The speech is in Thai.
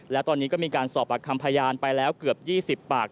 และตอนนี้ก็มีการสอบปากคำพยานไปแล้วเกือบ๒๐ปาก